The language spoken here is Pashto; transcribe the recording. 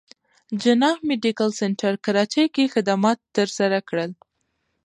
جناح ميډيکل سنټر کراچې کښې خدمات تر سره کړل